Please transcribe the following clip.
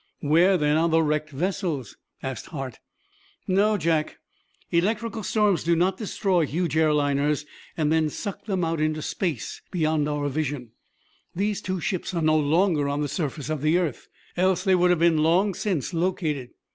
"Where then are the wrecked vessels?" asked Hart. "No, Jack, electrical storms do not destroy huge air liners and then suck them out into space beyond our vision. These two ships are no longer on the surface of the earth, else they would have been long since located.